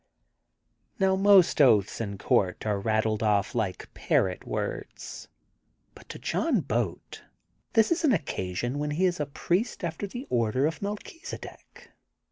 Now most oaths in court are rattled off like parrot words, but to John Boat this is an occasion when he is a priest after the order of Mel chizedek.